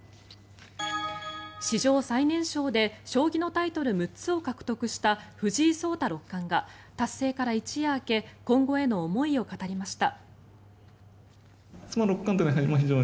史上最年少で将棋のタイトル６つを獲得した藤井聡太六冠が達成から一夜明け今後への思いを語りました。